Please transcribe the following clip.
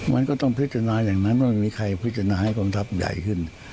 มันก็ต้องพิจารณาอย่างนั้นว่ามันมีใครพิจารณาให้กองทัพใหญ่ขึ้น